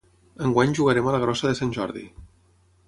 Enguany jugarem a la grossa de Sant Jordi